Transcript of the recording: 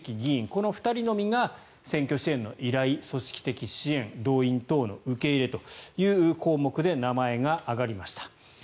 この２人のみが選挙支援の依頼、組織的支援動員等の受け入れという項目で名前が挙がりました。